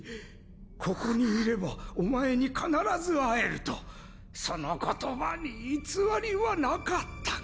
ここにいればお前に必ず会えると・・その言葉に偽りはなかったか！